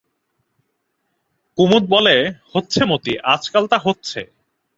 কুমুদ বলে, হচ্ছে মতি, আজকাল তা হচ্ছে।